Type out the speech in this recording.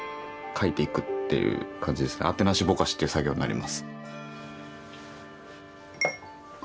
「あてなしぼかし」っていう作業になります。